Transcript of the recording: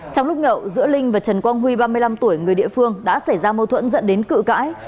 trong lúc nhậu giữa linh và trần quang huy ba mươi năm tuổi người địa phương đã xảy ra mâu thuẫn dẫn đến cự cãi